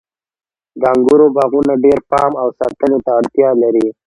د انګورو باغونه ډیر پام او ساتنې ته اړتیا لري.